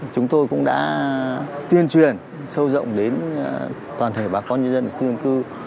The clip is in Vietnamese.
chúng tôi cũng đã tuyên truyền sâu rộng đến toàn thể bà con nhân dân khu dân cư